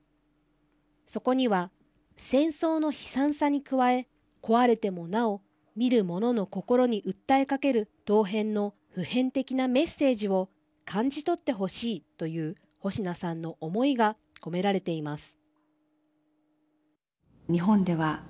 そこには、戦争の悲惨さに加え壊れてもなお見る者の心に訴えかける陶片の普遍的なメッセージを感じ取ってほしいという保科さんの思いが込められています。